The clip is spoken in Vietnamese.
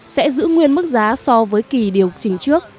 sẽ giữ nguyên mức giá so với kỳ điều chỉnh trước